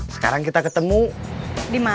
sekarang kita ketemu di mana